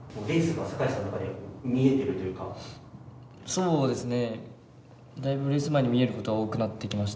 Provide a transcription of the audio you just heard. そうですね。